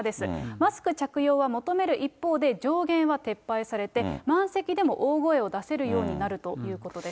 マスク着用は求める一方で、上限は撤廃されて満席でも大声を出せるようになるということです。